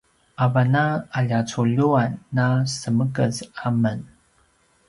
avan a alja culjuan na semekez a men